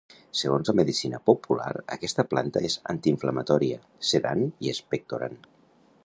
Segons la medicina popular aquesta planta és antiinflamatòria, sedant i expectorant.